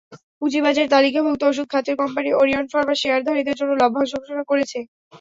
পুঁজিবাজারে তালিকাভুক্ত ওষুধ খাতের কোম্পানি ওরিয়ন ফার্মা শেয়ারধারীদের জন্য লভ্যাংশ ঘোষণা করেছে।